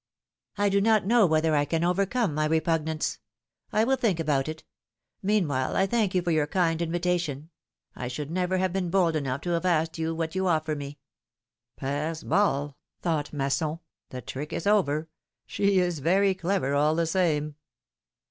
do not know whether I can overcome my repug nance. I will think about it; meanwhile I thank you for your kind invitation. I should never have been bold enough to have asked you what you offer me —" 146 philomI:ne's marriages. Pass, ball thought Masson, ^^the trick is over. She is very clever, all the same.